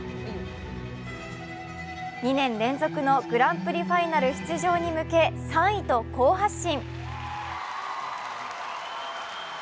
２年連続のグランプリファイナル出場に向け３位と好発進。